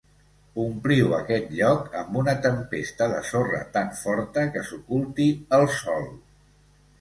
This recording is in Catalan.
Ompliu aquest lloc amb una tempesta de sorra tan forta que s'oculti el sol.